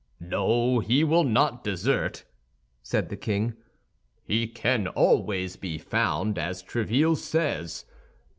"No, he will not desert," said the king; "he can always be found, as Tréville says.